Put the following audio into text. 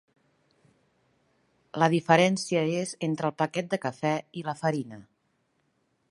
La diferència és entre el paquet de cafè i la farina.